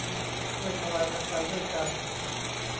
ช่วยทลายมันไปด้วยกัน